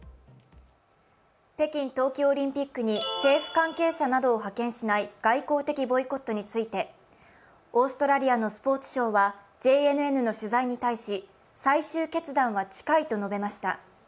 北京冬季オリンピックに政府関係者などを派遣しない外交的ボイコットについてオーストラリアのスポーツ相はＪＮＮの取材に対し最終決断は近いと述べました。